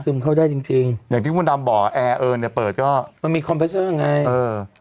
ซึมเข้าได้จริงจริงอย่างที่มุนดำบอกเออเนี้ยเปิดก็มันมีไงเออ